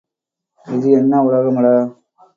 இது என்ன உலகமடா!